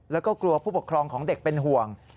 แล้วก็กลัวผู้ปกครองของเด็กเป็นห่วง